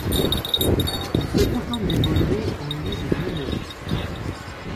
Il se contente d'évoluer en ligues mineures.